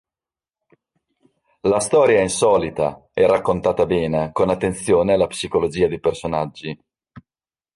La storia è insolita, e raccontata bene con attenzione la psicologia dei personaggi.